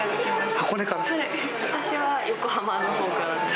私は横浜のほうからです。